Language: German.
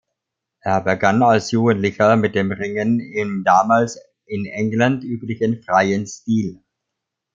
Er begann als Jugendlicher mit dem Ringen im damals in England üblichen freien Stil.